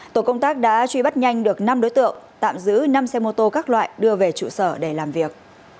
tổ công tác đã truy bắt nhanh được năm đối tượng tạm giữ năm xe mô tô các loại đưa về trụ sở để làm việc